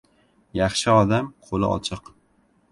Yaxshi odam, qo‘li ochiq.